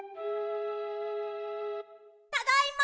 ただいま！